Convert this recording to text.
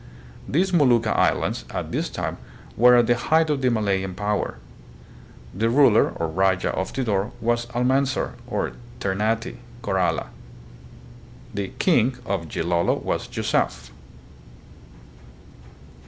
These Molucca islands, at this time, were at the height of the Malayan power. The ruler or raja of Tidor was Almanzar, of Ternate, Corala; the "king" of Gilolo was Yusef